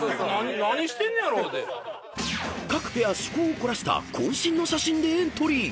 ［各ペア趣向を凝らした渾身の写真でエントリー］